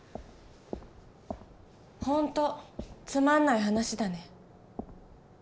本当つまんない話だね。